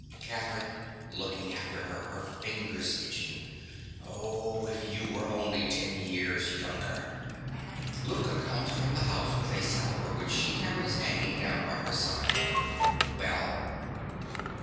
_) CATHERINE. (looking after her, her fingers itching). Oh, if you were only ten years younger! (Louka comes from the house with a salver, which she carries hanging down by her side.) Well?